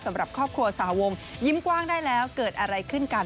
สำหรับครอบครัวสาวงยิ้มกว้างได้แล้วเกิดอะไรขึ้นกัน